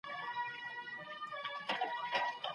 د پېښو اصلي علتونه بايد پيدا سي.